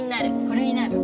これになる？